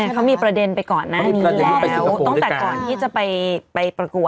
เขามีประเด็นไปก่อนหน้านี้แล้วตั้งแต่ก่อนที่จะไปประกวด